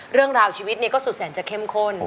เรื่องราวชีวิตก็สุดแสนจะเข้มข้น